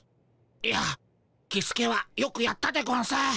いやキスケはよくやったでゴンス。